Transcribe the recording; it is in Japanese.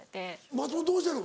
松本どうしてんの？